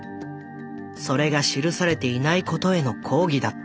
それが記されていないことへの抗議だった。